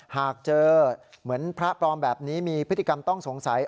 หากเจอเหมือนพระปลอมแบบนี้มีพฤติกรรมต้องสงสัย